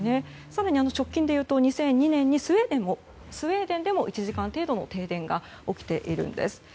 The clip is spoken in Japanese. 更に直近でいうと２００２年にスウェーデンでも１時間程度の停電が起きているんです。